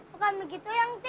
bukan begitu angti